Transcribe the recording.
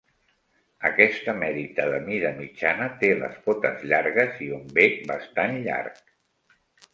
Aquesta merita de mida mitjana té les potes llargues i un bec bastant llarg.